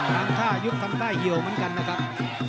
ทางท่ายุทธ์ทำใต้เหี่ยวเหมือนกันนะครับ